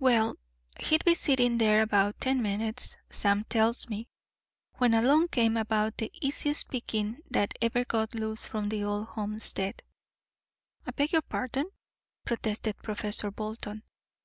"Well, he'd been sitting there about ten minutes, Sam tells me, when along came about the easiest picking that ever got loose from the old homestead " "I beg your pardon," protested Professor Bolton.